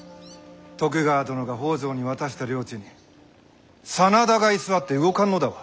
徳川殿が北条に渡した領地に真田が居座って動かんのだわ。